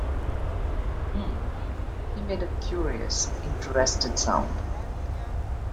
“H’m!” He made a curious, interested sound.